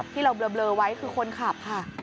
ที่เราเบลอไว้คือคนขับค่ะ